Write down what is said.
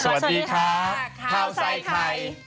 สวัสดีค่ะข้าวใส่ไข่